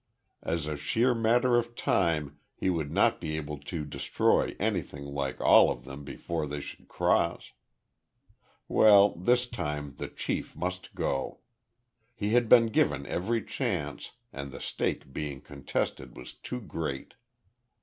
As a sheer matter of time he would not be able to destroy anything like all of them before they should cross. Well, this time the chief must go. He had been given every chance, and the stake being contested was too great.